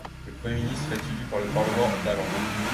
Le Premier ministre est élu par le Parlement d'Åland.